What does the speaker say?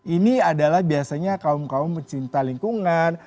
ini adalah biasanya kaum kaum pencinta lingkungan